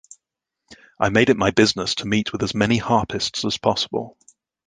I made it my business to meet with as many harpists as possible.